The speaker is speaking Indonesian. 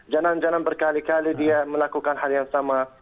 jangan jangan berkali kali dia melakukan hal yang sama